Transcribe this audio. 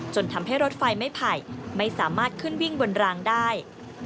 ทำให้รถไฟไม่ไผ่ไม่สามารถขึ้นวิ่งบนรางได้